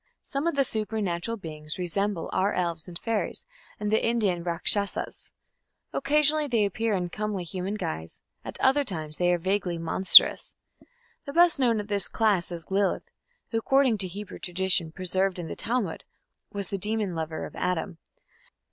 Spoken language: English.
Some of the supernatural beings resemble our elves and fairies and the Indian Rakshasas. Occasionally they appear in comely human guise; at other times they are vaguely monstrous. The best known of this class is Lilith, who, according to Hebrew tradition, preserved in the Talmud, was the demon lover of Adam.